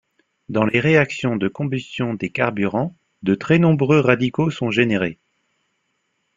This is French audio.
Dans les réactions de combustion des carburants, de très nombreux radicaux sont générés.